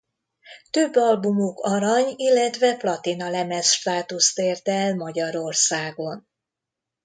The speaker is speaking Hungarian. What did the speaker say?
Több albumuk arany- illetve platinalemez státuszt ért el Magyarországon.